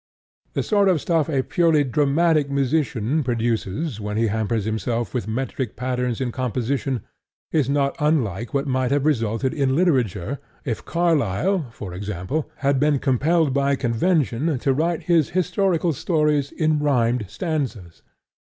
The sort of stuff a purely dramatic musician produces when he hampers himself with metric patterns in composition is not unlike what might have resulted in literature if Carlyle (for example) had been compelled by convention to write his historical stories in rhymed stanzas.